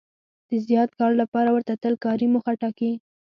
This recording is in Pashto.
د زیات کار لپاره ورته تل کاري موخه ټاکي.